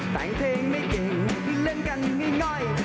แต่งเทงไม่เก่งเล่นกันไม่น้อย